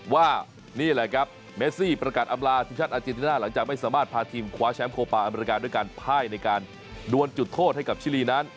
ว่านี่แหละครับเมซี่ประกาศอำลาทีมชาติอาเจนติน่าหลังจากไม่สามารถพาทีมคว้าแชมป์โคปาอเมริกาด้วยการพ่ายในการดวนจุดโทษให้กับชิลีนั้น